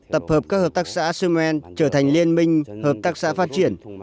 tập hợp các hợp tác xã somen trở thành liên minh hợp tác xã phát triển